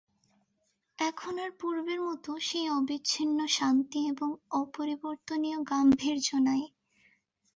এখন আর পূর্বের মতো সেই অবিচ্ছিন্ন শান্তি এবং অপরিবর্তনীয় গাম্ভীর্য নাই।